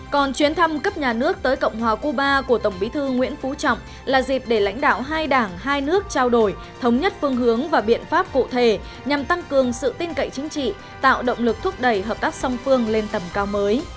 còn chuyến thăm cấp nhà nước tới cộng hòa cuba của tổng bí thư nguyễn phú trọng là dịp để lãnh đạo hai đảng hai nước trao đổi thống nhất phương hướng và biện pháp cụ thể nhằm tăng cường sự tin cậy chính trị tạo động lực thúc đẩy hợp tác song phương lên tầm cao mới